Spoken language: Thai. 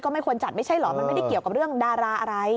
ไม่ควรจัดไม่ใช่เหรอมันไม่ได้เกี่ยวกับเรื่องดาราอะไร